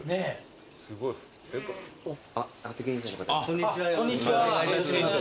こんにちはよろしくお願いいたします。